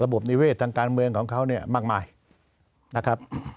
นิเวศทางการเมืองของเขาเนี่ยมากมายนะครับ